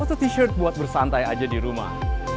atau t shirt buat bersantai aja di rumah